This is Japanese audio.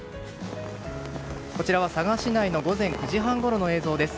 こちらは佐賀市内の午前９時半ごろの映像です。